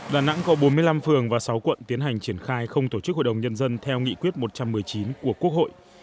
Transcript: đà nẵng có bốn mươi năm phường và sáu quận tiến hành triển khai không tổ chức hội đồng nhân dân theo nghị quyết một trăm một mươi chín của quốc hội